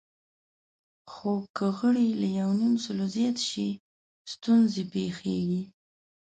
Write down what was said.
خو که غړي له یونیمسلو زیات شي، ستونزې پېښېږي.